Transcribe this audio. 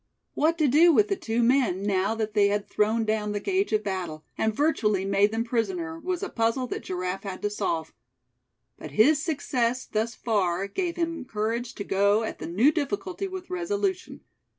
What to do with the two men, now that they had thrown down the gage of battle, and virtually made them prisoner, was a puzzle that Giraffe had to solve. But his success thus far gave him courage to go at the new difficulty with resolution.